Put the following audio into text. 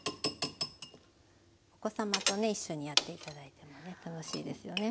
お子様とね一緒にやって頂いてもね楽しいですよね。